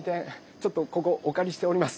ちょっとここおかりしております。